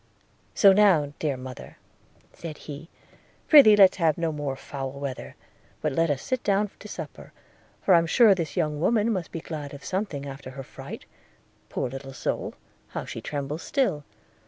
'So now, dear mother,' said he, 'pr'ythee let's have no more foul weather; but let us sit down to supper, for I'm sure this young woman must be glad of something after her fright – poor little soul, how she trembles still!